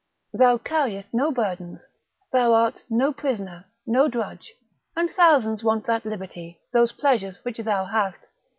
Thou carriest no burdens, thou art no prisoner, no drudge, and thousands want that liberty, those pleasures which thou hast.